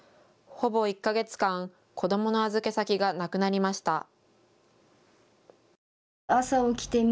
ほぼ１か月間、子どもの預け先がなくなりました。